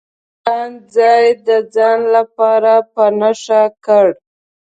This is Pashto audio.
هغه د کان ځای د ځان لپاره په نښه کړ.